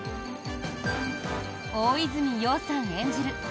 大泉洋さん演じる